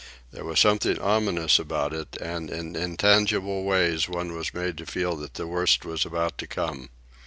There was something ominous about it, and in intangible ways one was made to feel that the worst was about to come.